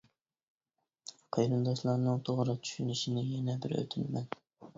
قېرىنداشلارنىڭ توغرا چۈشىنىشىنى يەنە بىر ئۆتۈنىمەن.